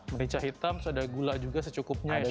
merica hitam ada gula juga secukupnya ya